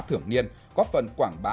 thưởng niên có phần quảng bá